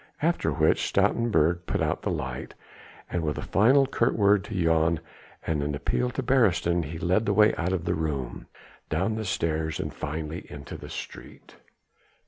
After which Stoutenburg put out the light, and with a final curt word to Jan and an appeal to Beresteyn he led the way out of the room, down the stairs and finally into the street.